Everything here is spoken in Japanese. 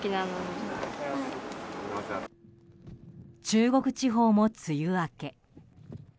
中国地方も梅雨明け。